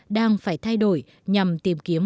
đang phải thay đổi nhằm tìm kiếm